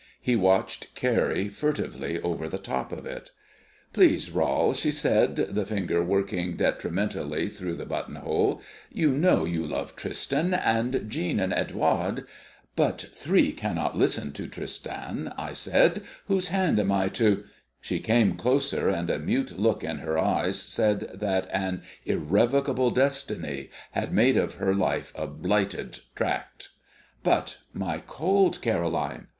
He watched Carrie furtively over the top of it. "Please, Rol," she said, the finger working detrimentally through the buttonhole. "You know you love Tristan, and Jean and Edouard " "But three cannot listen to Tristan," I replied. "Whose hand am I to " She came closer, and a mute look in her eyes said that an Irrevocable Destiny had made of her life a Blighted Tract. "But my cold, Caroline?"